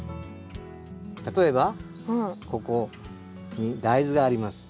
例えばここに大豆があります。